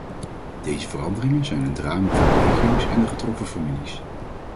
Deze veranderingen zijn een drama voor de regio's en de getroffen families.